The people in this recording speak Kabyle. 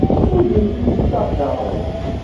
Ur yelli yessaɣ-d aɣrum.